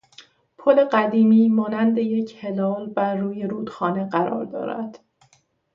پل قدیمی مانند یک هلال بر روی رودخانه قرار دارد.